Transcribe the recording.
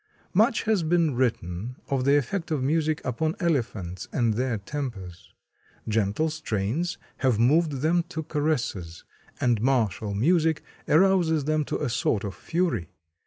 Much has been written of the effect of music upon elephants and their tempers. Gentle strains have moved them to caresses, and martial music arouses them to a sort of fury.